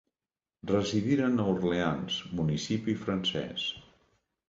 Residiren a Orleans, municipi francès.